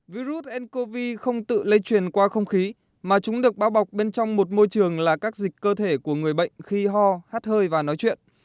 virus ncov không tự lây truyền qua không khí mà chúng được bao bọc bên trong một môi trường là các dịch cơ thể của người bệnh khi ho hát hơi và nói chuyện